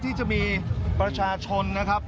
ที่จะมีประชาชนนะครับ